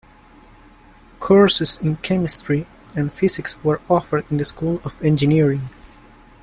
Courses in chemistry and physics were offered in the School of Engineering.